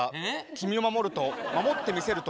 君を守ると守ってみせると。